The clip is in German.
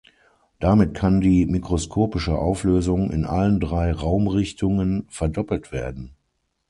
Damit kann die mikroskopische Auflösung in allen drei Raumrichtungen verdoppelt werden.